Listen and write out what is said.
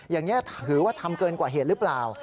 อย่างนี้ถือว่าทำเกินกว่าเหตุหรือเปล่า